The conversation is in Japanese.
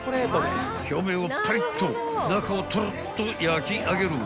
［表面をパリッと中をトロッと焼き上げる］